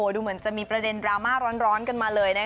ดูเหมือนจะมีประเด็นดราม่าร้อนกันมาเลยนะคะ